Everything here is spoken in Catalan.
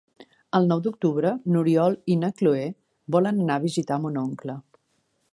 El nou d'octubre n'Oriol i na Cloè volen anar a visitar mon oncle.